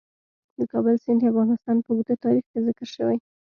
د کابل سیند د افغانستان په اوږده تاریخ کې ذکر شوی.